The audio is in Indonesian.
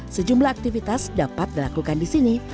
sejumlah aktivitas dapat dilakukan di sini